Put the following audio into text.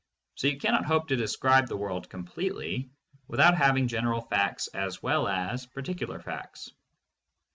So you cannot hope to describe the world completely without having general facts as well as particular facts.